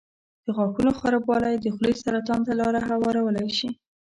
د غاښونو خرابوالی د خولې سرطان ته لاره هوارولی شي.